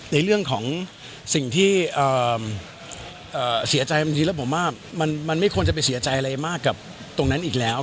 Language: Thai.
ในเรื่องของสิ่งที่เสียใจบางทีแล้วผมว่ามันไม่ควรจะไปเสียใจอะไรมากกับตรงนั้นอีกแล้ว